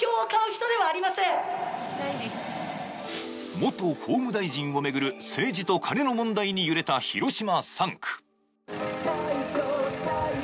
元法務大臣を巡る政治とカネの問題に揺れた広島３区。